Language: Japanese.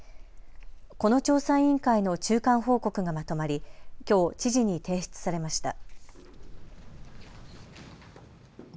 この調査委員会の中間報告がまとまり、きょう知事に提出されました。